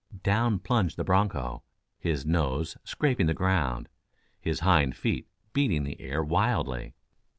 Down plunged the broncho, his nose scraping the ground, his hind feet beating the air wildly.